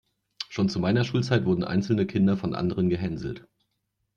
Schon zu meiner Schulzeit wurden einzelne Kinder von anderen gehänselt.